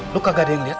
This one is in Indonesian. lu kagak ada yang lihat